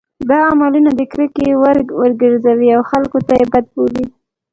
دا عملونه د کرکې وړ وګرځي او خلک یې بد بولي.